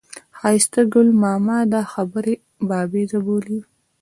ښایسته ګل ماما دا خبرې بابیزه بولي.